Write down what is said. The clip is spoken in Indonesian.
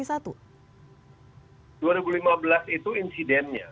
dua ribu lima belas itu insidennya